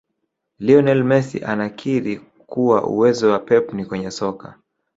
Lionel Messi anakiri kuwa uwezo wa pep ni kwenye soka